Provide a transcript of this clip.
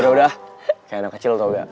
kayak anak kecil tau gak